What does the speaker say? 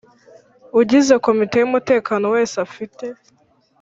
ugize Komite y Umutekano wese afite